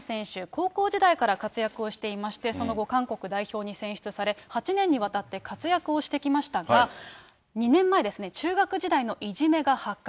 高校時代から活躍をしていまして、その後、韓国代表に選出され、８年にわたって活躍をしてきましたが、２年前ですね、中学時代のいじめが発覚。